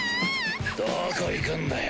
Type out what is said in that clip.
どこ行くんだよ？